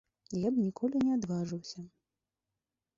Я б ніколі не адважыўся.